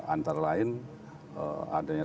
antara lain adanya